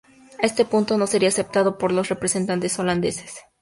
Este punto no sería aceptado por los representantes holandeses.